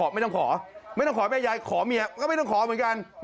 ไม่ต้องขอไม่ต้องขอแม่ยายขอเมียก็ไม่ต้องขอเหมือนกัน